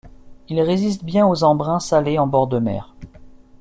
Il résiste bien aux embruns salés en bord de mer.